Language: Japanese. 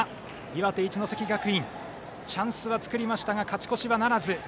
岩手・一関学院チャンスは作りましたが勝ち越しはならず。